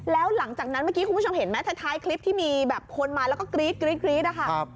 แล้วหลังจากนั้นเมื่อกี้คุณผู้ชมเห็นไหมท้ายคลิปที่มีแบบคนมาแล้วก็กรี๊ดนะคะ